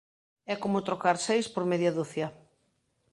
É como trocar seis por media ducia.